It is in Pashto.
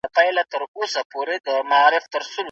شرکت تر دې دمه لسګونه سیلانیان فضا ته وړي دي.